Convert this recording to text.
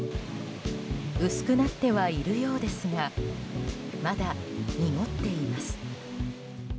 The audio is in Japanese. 薄くなってはいるようですがまだ濁っています。